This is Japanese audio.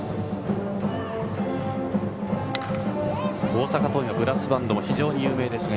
大阪桐蔭はブラスバンドも非常に有名ですが。